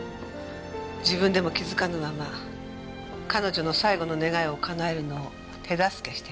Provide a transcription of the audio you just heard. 自分でも気づかぬまま彼女の最後の願いをかなえるのを手助けしていた。